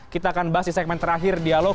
kita akan bahas di segmen terakhir dialog